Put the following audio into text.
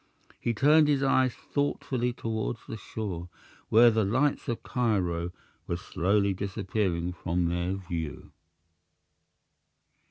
He turned his eyes thoughtfully toward the shore, where the lights of Cairo were slowly disappearing from their view.